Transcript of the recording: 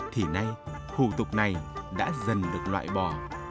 thì nay hủ tục này đã dần được loại bỏ